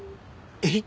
えっ！